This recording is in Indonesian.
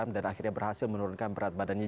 dan akhirnya berhasil menurunkan berat badannya